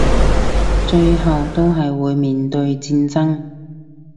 最後都係會面對戰爭